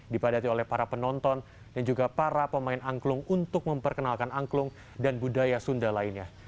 dipadati oleh para penonton dan juga para pemain angklung untuk memperkenalkan angklung dan budaya sunda lainnya